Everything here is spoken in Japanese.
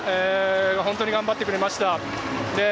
本当に頑張ってくれました。